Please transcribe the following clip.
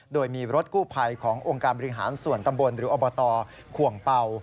โดยมีรถกู้ภัยขององค์การบริหารส่วนตำบลหรืออบตขวงเป่า